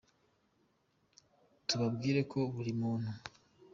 Tubabwire ko buri muntu